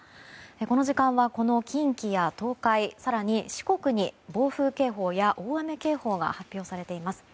この時間は近畿・東海、四国に暴風警報や大雨警報が発表されています。